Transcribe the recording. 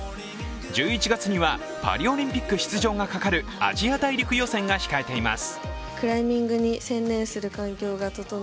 １１月にはパリオリンピック出場がかかるアジア大陸予選が控えています。